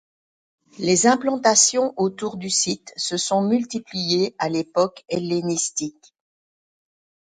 Les implantations autour du site se sont multipliées à l'époque hellénistique.